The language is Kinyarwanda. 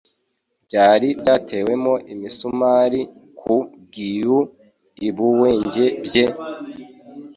byari byatewemo imisumari ku giu, ibuenge bye,